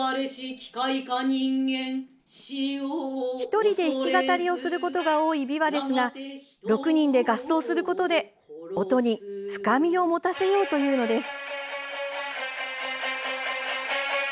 １人で弾き語りをすることが多い琵琶ですが６人で合奏することで、音に深みを持たせようというのです。